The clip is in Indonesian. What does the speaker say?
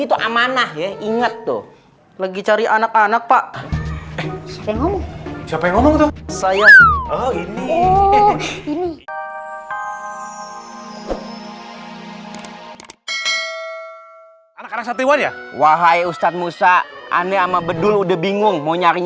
sampai jumpa di video selanjutnya